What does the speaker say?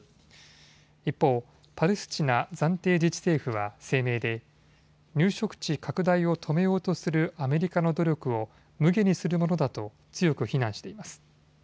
一方、パレスチナ暫定自治政府は声明で入植地拡大を止めようとするアメリカの努力をむげにするものだと強く非難しています。